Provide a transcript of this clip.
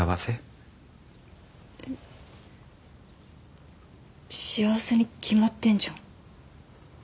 えっ幸せに決まってんじゃん。